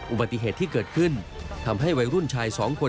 อุบัติเหตุที่เกิดขึ้นทำให้วัยรุ่นชายสองคน